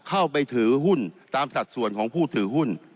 เข้าไปถือหุ้นตามสัดส่วนของผู้ถือหุ้น